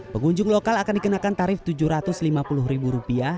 pengunjung lokal akan dikenakan tarif rp tujuh ratus lima puluh